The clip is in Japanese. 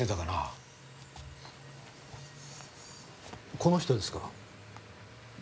この人ですか？